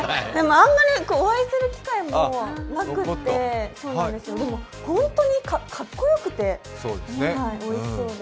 あんまりお会いする機会もなくてでも本当にかっこよくておいしそうで。